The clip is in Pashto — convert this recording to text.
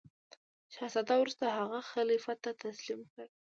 شهزاده وروسته هغه خلیفه ته تسلیم کړ.